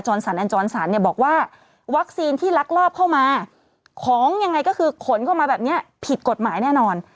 สันแอนจรสันเนี่ยบอกว่าวัคซีนที่ลักลอบเข้ามาของยังไงก็คือขนเข้ามาแบบนี้ผิดกฎหมายแน่นอน